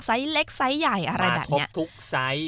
ไซส์เล็กไซส์ใหญ่อะไรแบบนี้